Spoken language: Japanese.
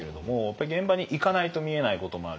現場に行かないと見えないこともあるし